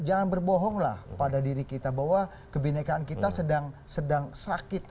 jangan berbohonglah pada diri kita bahwa kebenekaan kita sedang sakit